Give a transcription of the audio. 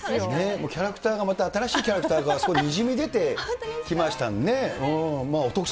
もうキャラクターがまた新しいキャラクターがにじみ出てきましたね。